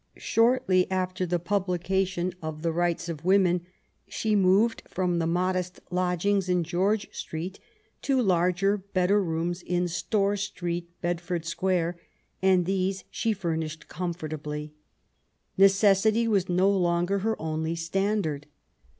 Shortly after the publication of the Rights of 106 MAEY W0LL8T0NE0BAFT GODWIN. WomeUy she moved from the modest lodgings in George Street, to larger^ better rooms in Store Street, Bedford Square, and these she furnished comfortably. Neces sity was no longer her only standard.